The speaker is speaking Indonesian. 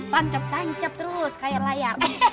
tancep tancep terus kayak layar